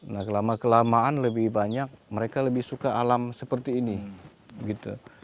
nah kelama kelamaan lebih banyak mereka lebih suka alam seperti ini gitu